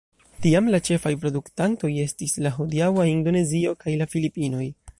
Tiam la ĉefaj produktantoj estis la hodiaŭa Indonezio kaj la Filipinoj.